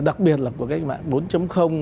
đặc biệt là cuộc cách mạng bốn